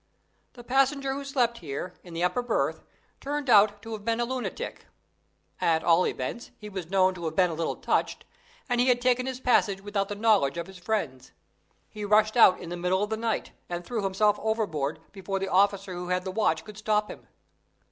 The passenger who slept here, in the upper berth, turned out to have been a lunatic at all events, he was known to have been a little touched, and he had taken his passage without the knowledge of his friends. He rushed out in the middle of the night, and threw himself overboard, before the officer who had the watch could stop him.